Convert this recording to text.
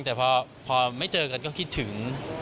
แต่พอไม่เจอกันก็คิดถึง